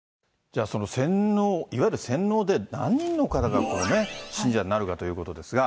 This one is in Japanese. じゃあ、その洗脳、いわゆる洗脳で何人の方が信者になるかということですが。